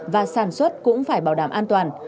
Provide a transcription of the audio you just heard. và sản xuất cũng phải bảo đảm an toàn